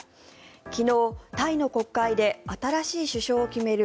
昨日、タイの国会で新しい首相を決める